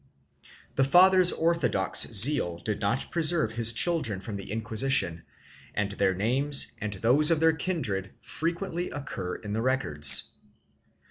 The father's orthodox zeal did not preserve his children from the Inquisition and their names and those of their kindred frequently occur in the records.